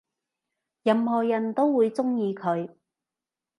任何人都會鍾意佢